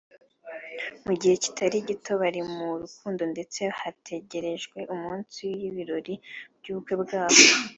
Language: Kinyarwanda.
Mu gihe kitari gito bari mu rukundo ndetse hategerejwe umunsi w’ibirori by’ubukwe bwabo